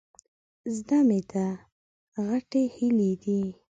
زده مې ده، غټې هيلۍ دي.